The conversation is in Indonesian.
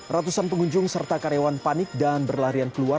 ratusan pengunjung serta karyawan panik dan berlarian keluar